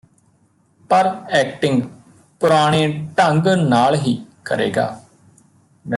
ਪਰ ਐਕਟਿੰਗ ਪੁਰਾਣੇ ਢੰਗ ਨਾਲ ਹੀ ਕਰੇਗਾ